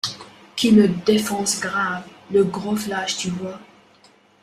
Qui le défonce grave, le gros flash, tu vois.